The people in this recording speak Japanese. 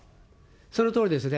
そのとおりですね。